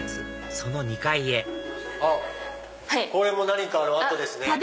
その２階へこれも何かの跡ですね。